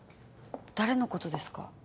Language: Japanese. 誰のことですか？